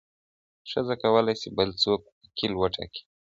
ښځه کولای سي، بل څوک وکيل وټاکي.